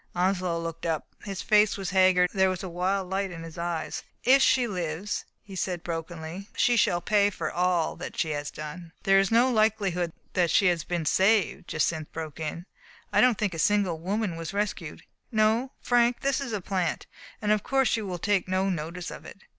Onslow looked up. His face was haggard, and there was a wild light in his eyes. "If she lives," he said brokenly, "she shall pay for all that she has done " "There is no likelihood that she has been saved," Jacynth broke in. " I don't think a single woman was rescued. No, Frank, this is a plant ; and of course you will take no notice of it."